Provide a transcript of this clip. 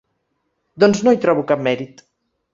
Doncs no hi trobo cap mèrit.